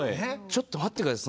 ちょっと待って下さい。